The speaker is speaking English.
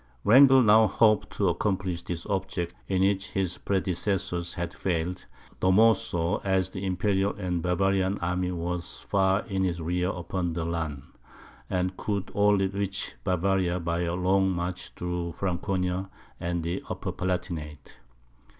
Wrangel now hoped to accomplish the object in which his predecessors had failed, the more so, as the Imperial and Bavarian army was far in his rear upon the Lahn, and could only reach Bavaria by a long march through Franconia and the Upper Palatinate.